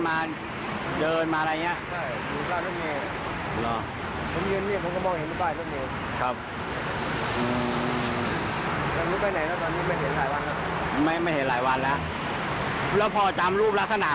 ไม่ได้ไม่ได้ทันเก็บเพราะว่าอรับผมอยู่แปลกใจ